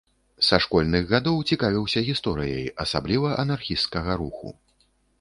Са школьных гадоў цікавіўся гісторыяй, асабліва анархісцкага руху.